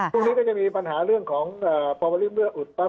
พรุ่งนี้ก็จะมีปัญหาเรื่องของพอวาลิฟท์เลือดอุดปรับ